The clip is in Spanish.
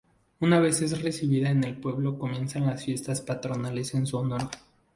Una vez es recibida en el pueblo comienzan las fiestas patronales en su honor.